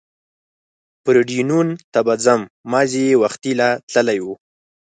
پورډېنون ته به ځم، مازې یې وختي لا تللي و.